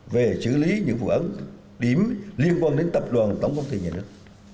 về xử lý những vụ án điểm liên quan đến tập đoàn tổng công ty nhà nước